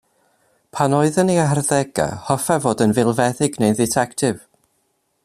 Pan oedd yn ei harddegau, hoffai fod yn filfeddyg neu'n dditectif.